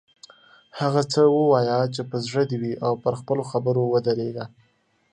هغه څه ووایه چې په زړه دې وي او پر خپلو خبرو ودریږه.